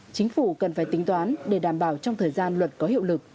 chính phủ cần phải tính toán để đảm bảo trong thời gian luật có hiệu lực